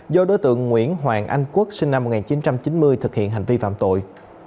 do đối tượng nguyễn hoàng anh quốc sinh năm một nghìn chín trăm chín mươi thực hiện hành vi phạm tội